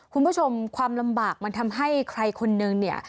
คุณผู้ชมความลำบากมันทำให้ใครคนนึงเนี่ย